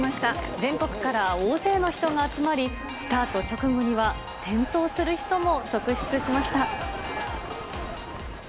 全国から大勢の人が集まり、スタート直後には転倒する人も続出しました。